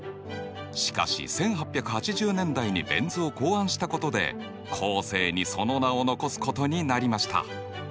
しかし１８８０年代にベン図を考案したことで後世にその名を残すことになりました。